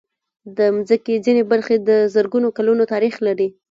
د مځکې ځینې برخې د زرګونو کلونو تاریخ لري.